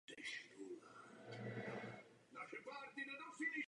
Z učiliště vyšel jako poručík letectva.